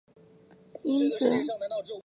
音译卡蒂斯玛。